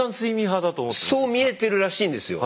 そう見えてるらしいんですよ。